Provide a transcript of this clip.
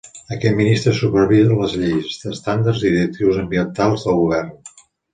Aquest ministre supervisa les lleis, estàndards i directrius ambientals del govern.